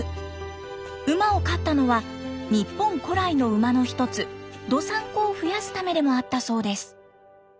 馬を飼ったのは日本古来の馬の一つ道産子を増やすためでもあったそうです。